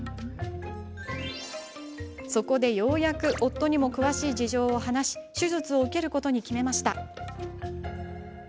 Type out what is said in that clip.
そこでようやく夫にも詳しい事情を話し手術を受けることに決めました。